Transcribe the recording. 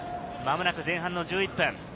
間もなく前半の１１分。